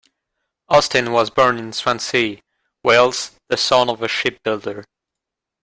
Austin was born in Swansea, Wales, the son of a shipbuilder.